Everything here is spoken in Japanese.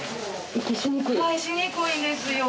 はいしにくいんですよ。